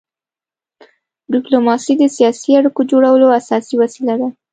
ډيپلوماسي د سیاسي اړیکو جوړولو اساسي وسیله ده.